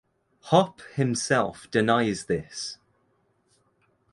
Hopp himself denies this.